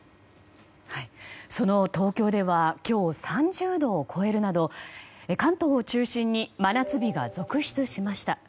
その東京では今日、３０度を超えるなど関東を中心に真夏日が続出しました。